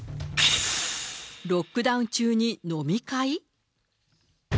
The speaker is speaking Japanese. ロックダウン中に飲み会？